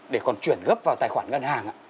để còn chuyển gấp vào tài khoản ngân hàng ạ